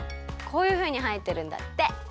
こういうふうにはえてるんだって。